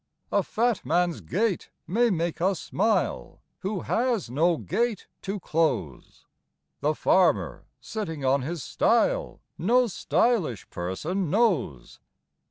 A fat man's gait may make us smile, who has no gate to close; The farmer, sitting on his stile no _sty_lish person knows.